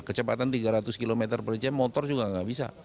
kecepatan tiga ratus km per jam motor juga nggak bisa